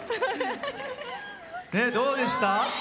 どうでした？